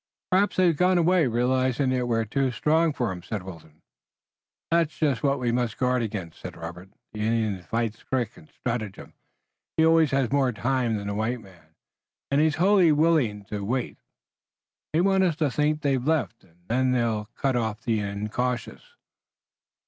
"Perhaps they've gone away, realizing that we're too strong for 'em," said Wilton. "That's just what we must guard against," said Robert. "The Indian fights with trick and stratagem. He always has more time than the white man, and he is wholly willing to wait. They want us to think they've left, and then they'll cut off the incautious."